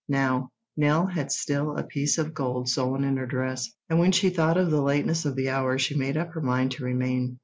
Now, Nell had still a piece of gold sewn in her dress, and when she thought of the lateness of the hour she made up her mind to remain.